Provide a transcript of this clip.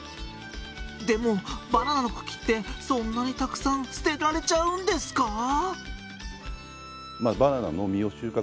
でも、バナナの茎ってそんなにたくさん捨てられちゃうんですか。